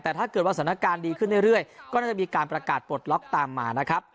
แต่ถ้าเกิดว่าสถานการณ์ดีขึ้นเรื่อยก็น่าจะมีการประกาศปลดล็อกตามมานะครับ